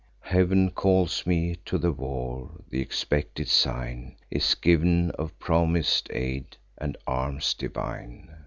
Heav'n calls me to the war: th' expected sign Is giv'n of promis'd aid, and arms divine.